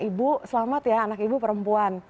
ibu selamat ya anak ibu perempuan